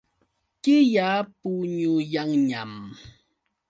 Killa puñuyanñam.